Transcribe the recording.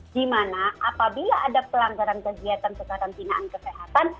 di mana apabila ada pelanggaran kegiatan kekarantinaan kesehatan